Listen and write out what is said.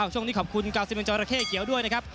โชคนี้ขอบคุณ๙๑จรเผคเกียวด้วยนะครับ